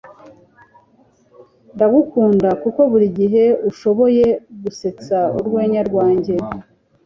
Ndagukunda kuko burigihe ushoboye gusetsa urwenya rwanjye